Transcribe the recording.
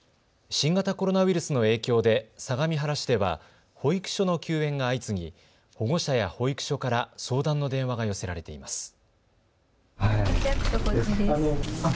新型コロナウイルスの影響で相模原市では保育所の休園が相次ぎ保護者や保育所から相談の電話が寄せられています。